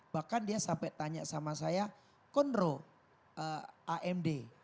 bahkan dia sampai tanya sama saya konro amd